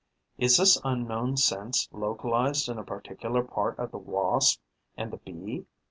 Is this unknown sense localized in a particular part of the Wasp and the Bee?